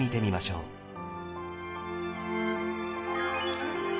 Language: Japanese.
うん。